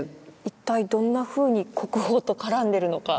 一体どんなふうに国宝と絡んでるのか。